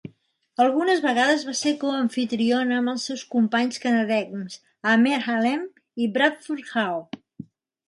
Algunes vegades va ser coamfitriona amb els seus companys canadencs Aamer Haleem i Bradford How.